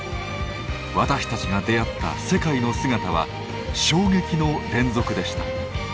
私たちが出会った世界の姿は衝撃の連続でした。